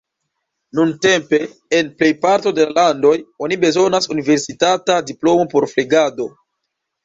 Nuntempe, en plejparto de la landoj, oni bezonas universitata diplomo por flegado.